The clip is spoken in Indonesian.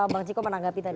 bang ciko menanggapi tadi